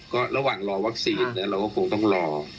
ก็ระหว่างรอวัคซีนเราก็คงต้องรอ